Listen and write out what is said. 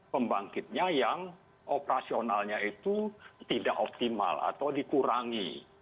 pembangkitnya yang operasionalnya itu tidak optimal atau dikurangi